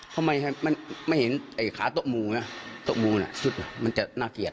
ทำไมมันไม่เห็นไอ้ขาโต๊ะหมู่นะโต๊ะมูน่ะสุดมันจะน่าเกลียด